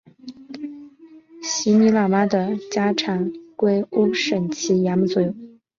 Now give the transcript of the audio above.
席尼喇嘛的家产归乌审旗衙门所有。